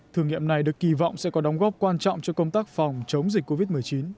thử nghiệm này được kỳ vọng sẽ có đóng góp quan trọng cho công tác phòng chống dịch covid một mươi chín